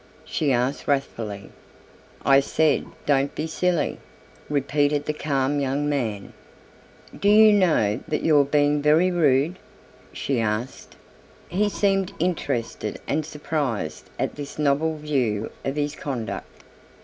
she asked wrathfully. "I said 'don't be silly,'" repeated the calm young man. "Do you know that you're being very rude?" she asked. He seemed interested and surprised at this novel view of his conduct.